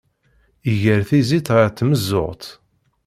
Iger tizit ɣer tmeẓẓuɣt.